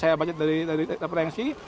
saya baca dari depresi